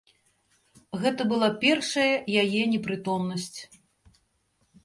Гэта была першая яе непрытомнасць.